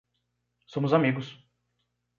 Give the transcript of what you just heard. Somos amigos